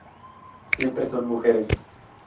Siempre son mujeres.